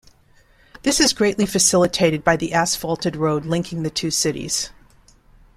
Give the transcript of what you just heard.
This is greatly facilitated by the asphalted road linking the two cities.